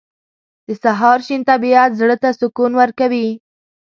• د سهار شین طبیعت زړه ته سکون ورکوي.